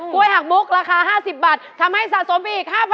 กล้วยหักมุกราคา๕๐บาททำให้สะสมอีก๕๐๐๐บาท